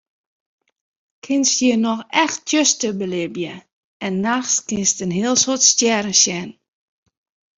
Kinst hjir noch echt tsjuster belibje en nachts kinst in heel soad stjerren sjen.